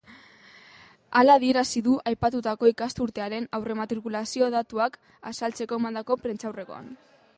Hala adierazi du aipatutako ikasturtearen aurrematrikulazio datuak azaltzeko emandako prentsaurrekoan.